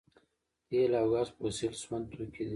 تیل او ګاز فوسیل سون توکي دي